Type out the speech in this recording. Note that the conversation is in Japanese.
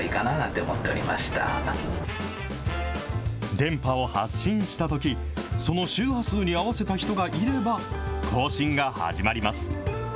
電波を発信したとき、その周波数に合わせた人がいれば、交信が始まります。